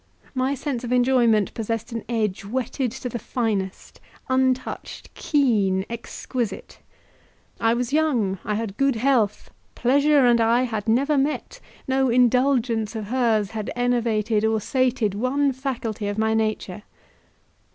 My sense of enjoyment possessed an edge whetted to the finest, untouched, keen, exquisite. I was young; I had good health; pleasure and I had never met; no indulgence of hers had enervated or sated one faculty of my nature.